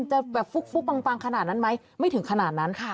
จะแบบฟุกปังขนาดนั้นไหมไม่ถึงขนาดนั้นค่ะ